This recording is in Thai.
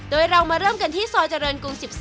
โดยเรามาเริ่มกันที่ซอยเจริญกรุง๑๔